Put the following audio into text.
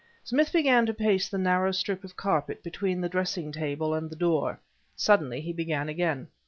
Smith began to pace the narrow strip of carpet between the dressing table and the door. Suddenly he began again.